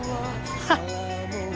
jangan jangan jangan